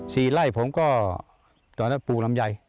สี่ไร่ผมก็ตอนนั้นปลูกลำไย